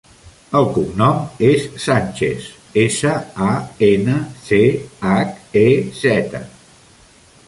El cognom és Sanchez: essa, a, ena, ce, hac, e, zeta.